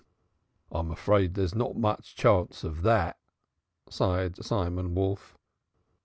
"I'm afraid there's not much chance of that," sighed Simon Wolf.